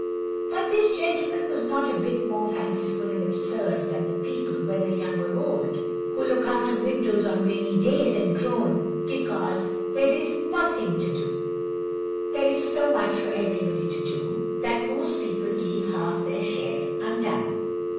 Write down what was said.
But this gentleman was not a bit more fanciful and absurd than the people, whether young or old, who look out of windows on rainy days and groan because there is nothing to do; when, in reality, there is so much for everybody to do, that most people leave half their share undone.